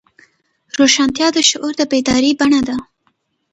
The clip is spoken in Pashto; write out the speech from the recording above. روښانتیا د شعور د بیدارۍ بڼه ده.